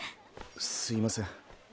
すいません。